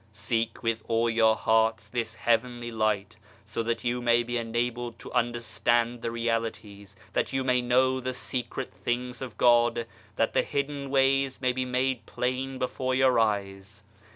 1 ' Seek with all your hearts this Heavenly Light, so that you may be enabled to understand the Realities, that you may know the secret things of God, that the hidden ways may be made plain before your eyes.